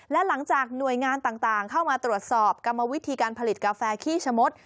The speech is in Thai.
และหลังจากหน่วยงานต่างเข้ามาตรวจสอบกรรมวิธีการผลิตกาแฟขี้ชะมด